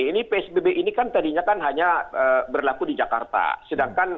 ini psbb ini kan tadinya kan hanya berlaku di jakarta